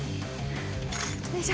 よいしょ。